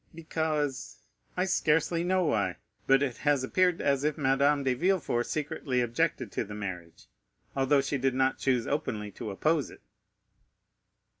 "Because—I scarcely know why—but it has appeared as if Madame de Villefort secretly objected to the marriage, although she did not choose openly to oppose it."